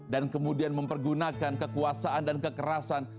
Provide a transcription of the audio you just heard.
dan kemudian mempergunakan kekuasaan dan kekerasan